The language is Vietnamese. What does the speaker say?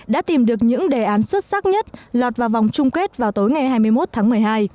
đã tìm được những đề án xuất sắc nhất lọt vào vòng chung kết vào tối ngày hai mươi một tháng một mươi hai